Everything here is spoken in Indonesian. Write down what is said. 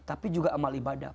tapi juga amal ibadah